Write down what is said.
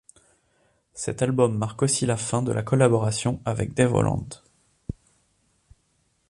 Cet album marque aussi la fin de la collaboration avec Dave Holland.